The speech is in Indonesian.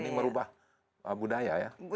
ini merubah budaya ya